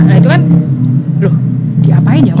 nah itu kan loh diapain ya